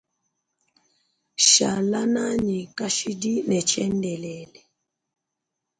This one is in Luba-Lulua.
Shala nʼanyi kashid ne tshiendelele.